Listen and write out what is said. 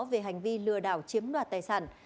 về hành vi lừa đảo chiếm đoạt tài sản